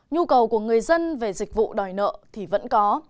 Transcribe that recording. nhu cầu của người dân về dịch vụ đòi nợ thì vẫn có